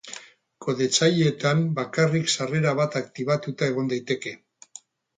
Kodetzaileetan bakarrik sarrera bat aktibatuta egon daiteke.